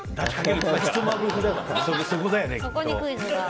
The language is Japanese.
そこだよね、きっと。